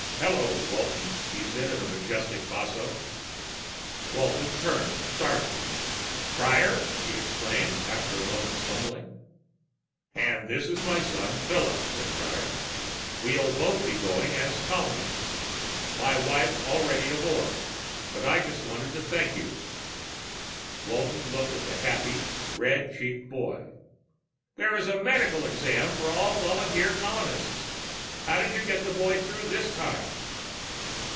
"Hello, Walton," he said in a majestic basso. Walton turned, startled. "Prior!" he exclaimed, after a moment's fumbling. "And this is my son, Philip," said Prior. "We'll both be going as colonists. My wife's already aboard, but I just wanted to thank you " Walton looked at the happy, red cheeked boy. "There was a medical exam for all volunteer colonists. How did you get the boy through this time?"